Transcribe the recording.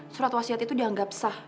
surat wasiat itu dianggap sah